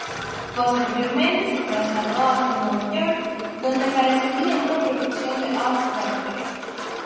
Posteriormente se trasladó hasta Nueva York donde aparecería en una producción de Off-Broadway.